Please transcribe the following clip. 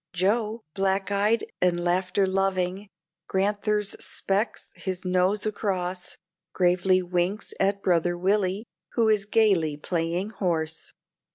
Joe, black eyed and laughter loving, Grand'ther's specs his nose across, Gravely winks at brother Willie, who is gayly playing horse.